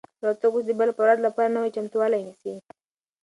الوتکه اوس د بل پرواز لپاره نوی چمتووالی نیسي.